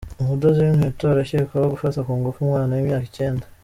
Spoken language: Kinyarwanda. Umudozi w’inkweto arakekwaho gufata ku ngufu umwana w’imyaka icyenda